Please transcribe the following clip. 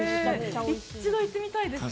一番行ってみたいですね。